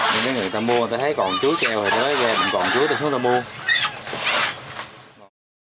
nhưng mấy người ta mua người ta thấy còn chuối treo thì tới ghe còn chuối thì xuống ta mua